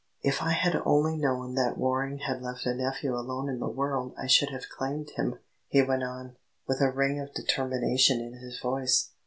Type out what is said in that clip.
"If I had only known that Waring had left a nephew alone in the world I should have claimed him," he went on, with a ring of determination in his voice.